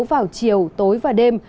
vào chiều tối và đêm